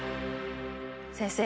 先生